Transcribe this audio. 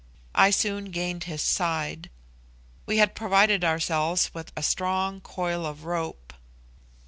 I soon gained his side. We had provided ourselves with a strong coil of rope.